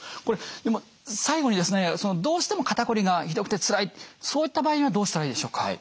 これ最後にですねどうしても肩こりがひどくてつらいそういった場合にはどうしたらいいでしょうか？